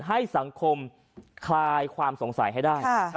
ให้สังคมคลายความสงสัยให้ได้